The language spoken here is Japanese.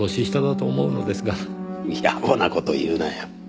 やぼな事言うなよ。